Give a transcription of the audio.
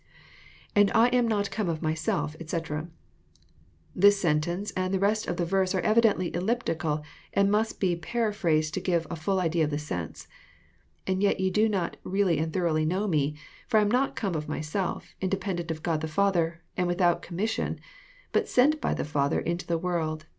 » lAnd I am not come of myself, etc."] This sentence and the rest of the verse are evidently elliptical, and must be parar phrased to give a fUll idea of the sense :—*' And y et ye do not really and thoroughly know me ; for I am not corae"^ myself, independent of God the Father, and Without commission, but sent by the Father into the world.